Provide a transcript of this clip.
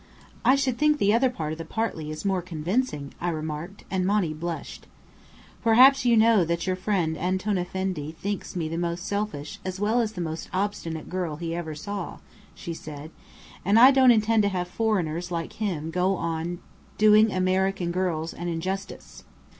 "I should think the other part of the 'partly' is more convincing," I remarked; and Monny blushed. "Perhaps you know that your friend Antoun Effendi thinks me the most selfish as well as the most obstinate girl he ever saw," she said. "And I don't intend to have foreigners like him go on doing American girls an injustice.